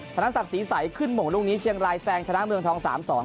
ธนศักดิ์ศรีใสขึ้นหม่งลูกนี้เชียงรายแซงชนะเมืองทองสามสอง